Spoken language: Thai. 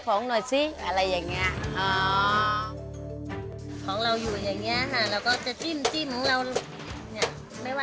คิกคิกคิกคิกคิกคิกคิก